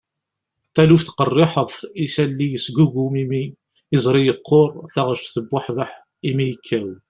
taluft qerriḥet, isalli yesgugum imi, iẓri yeqquṛ, taɣect tebbuḥbeḥ, imi yekkaw